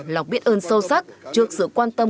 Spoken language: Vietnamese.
lòng biết ơn sâu sắc trước sự quan tâm